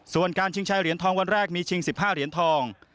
ส่วนการชิงชายเหรียญทองวันแรกมีชิง๑๕เหรียญทอง